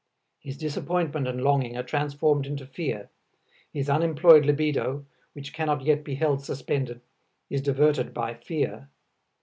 His disappointment and longing are transformed into fear, his unemployed libido, which cannot yet be held suspended, is diverted by fear.